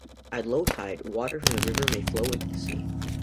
At low tide, water from the river may flow into the sea.